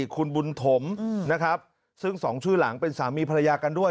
คุณบุญถมนะครับซึ่งสองชื่อหลังเป็นสามีภรรยากันด้วย